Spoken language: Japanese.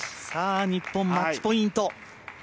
日本、マッチポイント。